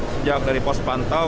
sejak dari pos pantau